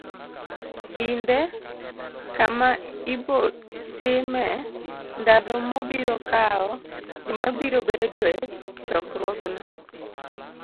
Kinde, kama ibo timee, ndalo mobiro kawo, joma biro bedo e chokruogno.